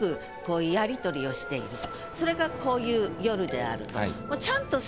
それがこういう夜であると。